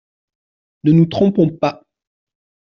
Ne nous trompons pas.